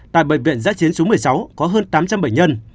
tại bệnh viện giã chiến số một mươi sáu có hơn tám trăm linh bệnh nhân